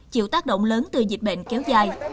chịu tác động lớn từ dịch bệnh kéo dài